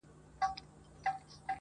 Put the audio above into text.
ډېوه پر لګېدو ده څوک به ځی څوک به راځي!!